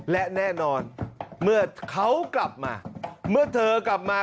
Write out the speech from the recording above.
และแน่นอนเมื่อเขากลับมาเมื่อเธอกลับมา